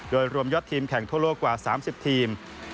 โดยรวมยอดทีมแข่งทั่วโลกกว่า๓๐ทีม